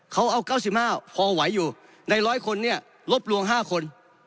เขาเอา๙๕พอไหวอยู่ใน๑๐๐คนเนี่ยลบลวง๕คน